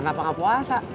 kenapa gak puasa